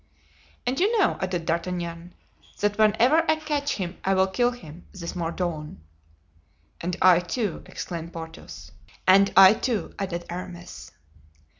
"And you know," added D'Artagnan, "that whenever I catch him I will kill him, this Mordaunt." "And I, too," exclaimed Porthos. "And I, too," added Aramis.